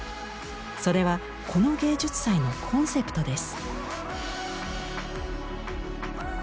それはこの芸術祭のコンセプトです。